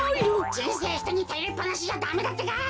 じんせいひとにたよりっぱなしじゃダメだってか！